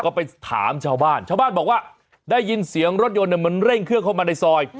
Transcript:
ก็ไปถามชาวบ้านชาวบ้านบอกว่าได้ยินเสียงรถยนต์มันเร่งเครื่องเข้ามาในซอย